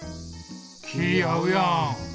気合うやん！